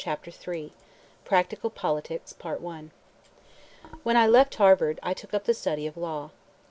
CHAPTER III PRACTICAL POLITICS When I left Harvard, I took up the study of law.